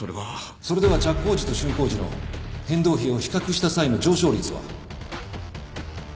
それでは着工時と竣工時の変動費を比較した際の上昇率は？